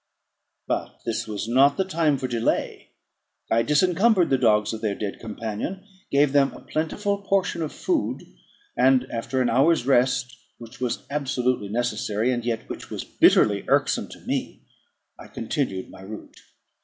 But this was not the time for delay: I disencumbered the dogs of their dead companion, gave them a plentiful portion of food; and, after an hour's rest, which was absolutely necessary, and yet which was bitterly irksome to me, I continued my route.